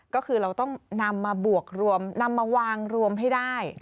ก็คือเราต้องนำมาบวกรวมนำมาวางรวมให้ได้